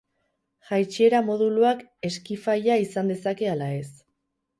Jaitsiera moduluak eskifaia izan dezake ala ez.